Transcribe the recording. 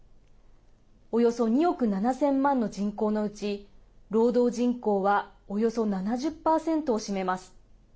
およそ２億７０００万の人口のうち労働人口はおよそ７０％を占めます。